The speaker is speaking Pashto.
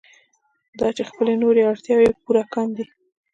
دا چې خپلې نورې اړتیاوې پوره کاندي.